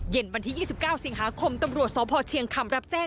วันที่๒๙สิงหาคมตำรวจสพเชียงคำรับแจ้ง